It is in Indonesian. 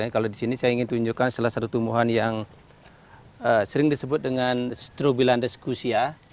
kalau di sini saya ingin tunjukkan salah satu tumbuhan yang sering disebut dengan strobilandeskusia